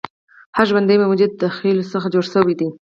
هر ژوندی موجود د خلیو څخه جوړ شوی دی